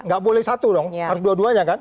nggak boleh satu dong harus dua duanya kan